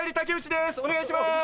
お願いします。